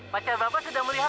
pacar bapak sudah melihatnya